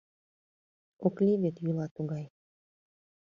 Ок лий вет, йӱла тугай.